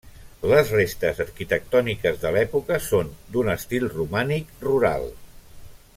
Les restes arquitectòniques de l'època són d'un estil romànic rural.